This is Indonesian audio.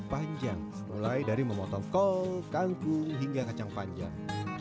panjang mulai dari memotong kol kangkung hingga kacang panjang